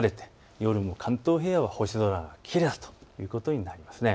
夜も関東平野は星空がきれいだということになります。